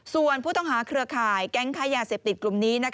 ส่วนผู้ต้องหาเครือข่ายแก๊งค้ายาเสพติดกลุ่มนี้